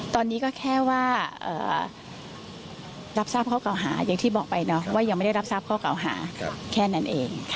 ตอนนี้ก็แค่ว่ารับทราบข้อเก่าหาอย่างที่บอกไปว่ายังไม่ได้รับทราบข้อเก่าหาแค่นั้นเอง